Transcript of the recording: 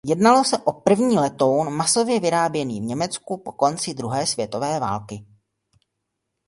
Jednalo se o první letoun masově vyráběný v Německu po konci druhé světové války.